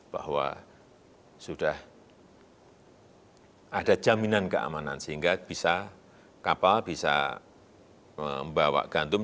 bahwa sudah ada jaminan keamanan sehingga bisa kapal bisa membawa gantung